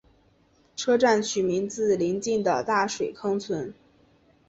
车站取名自邻近的大水坑村。